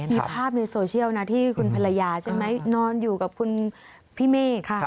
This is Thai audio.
มีภาพในโซเชียลนะที่คุณภรรยาใช่ไหมนอนอยู่กับคุณพี่เมฆ